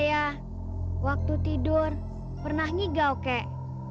ya waktu tidur pernah nyi gao kek